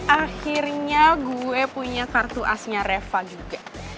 akhirnya gue punya kartu asnya reva juga